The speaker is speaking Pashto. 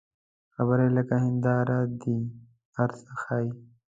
خبرې لکه هنداره دي، هر څه ښيي